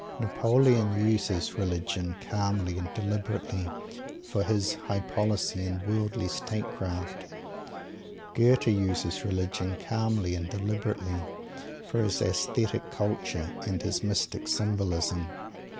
Napoleon uses "Religion" calmly and deliberately for his High Policy and Worldly Statecraft. Goethe uses "Religion" calmly and deliberately for his aesthetic culture and his mystic symbolism.